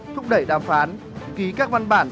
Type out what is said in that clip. thúc đẩy đàm phán ký các văn bản